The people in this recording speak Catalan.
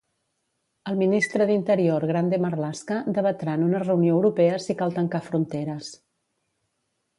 El ministre d'Interior, Grande-Marlaska, debatrà en una reunió europea si cal tancar fronteres.